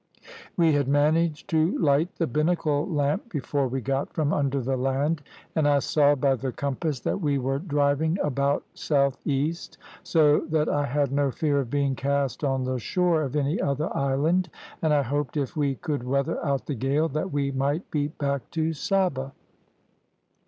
We had managed to light the binnacle lamp before we got from under the land, and I saw by the compass that we were driving about south east, so that I had no fear of being cast on the shore of any other island, and I hoped, if we could weather out the gale, that we might beat back to Saba.